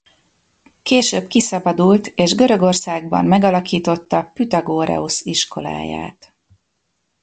Később kiszabadult és Görögországban megalakította Püthagoreus-iskoláját.